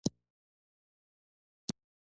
سیندونه د افغانانو د ژوند طرز اغېزمنوي.